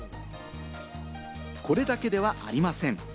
これだけではありません。